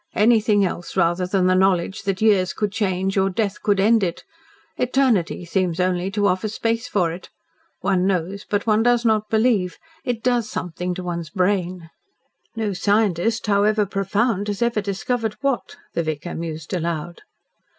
Anything else rather than the knowledge that years could change or death could end it! Eternity seems only to offer space for it. One knows but one does not believe. It does something to one's brain." "No scientist, howsoever profound, has ever discovered what," the vicar mused aloud.